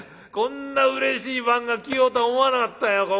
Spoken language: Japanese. こんなうれしい晩が来ようとは思わなかったよ。